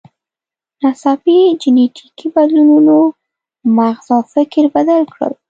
ناڅاپي جینټیکي بدلونونو مغز او فکر بدل کړل.